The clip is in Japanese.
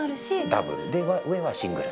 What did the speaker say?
ダブルで上はシングル。